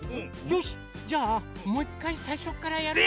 よしじゃあもう１かいさいしょからやる。